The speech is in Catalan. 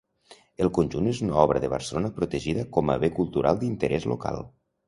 El conjunt és una obra de Barcelona protegida com a Bé Cultural d'Interès Local.